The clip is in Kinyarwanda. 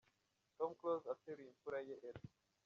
Tom Close ateruye impfura ye Ella.